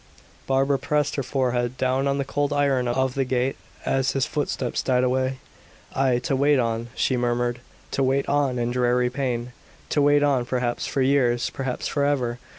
Barbara pressed her forehead down on the cold iron of the gate as his footsteps died away. "Aye, to wait on," she murmured, "to wait on in dreary pain; to wait on, perhaps, for years, perhaps forever!